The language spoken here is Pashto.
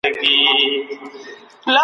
په ژبنیو مسایلو کې دقت پکار دی.